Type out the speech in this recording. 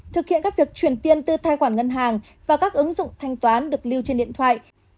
thực hiện các việc truyền tiền từ thai quản ngân hàng và các ứng dụng thanh toán được lưu trên điện thoại